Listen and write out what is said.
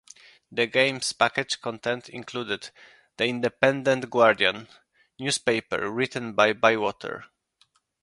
The game's package contents included "The Independent Guardian" newspaper written by Bywater.